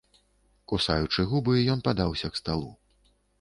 Кусаючы губы, ён падаўся к сталу.